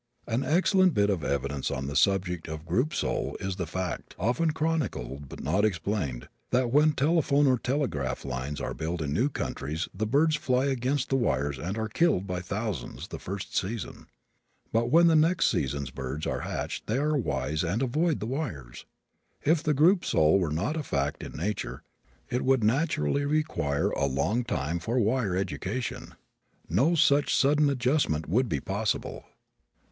An excellent bit of evidence on the subject of the group soul is the fact, often chronicled but not explained, that when telephone or telegraph lines are built in new countries the birds fly against the wires and are killed by thousands, the first season. But when the next season's birds are hatched they are wise and avoid the wires! If the group soul were not a fact in nature it would naturally require a long time for wire education. No such sudden adjustment would be possible.